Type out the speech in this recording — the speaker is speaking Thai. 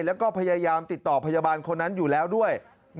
แล้วก็พยายามติดต่อพยาบาลคนนั้นอยู่แล้วด้วย